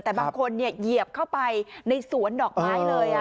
แต่บางคนเหยียบเข้าไปในสวนดอกไม้เลย